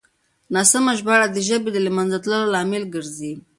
ناسمه ژباړه د ژبې د له منځه تللو لامل ګرځي.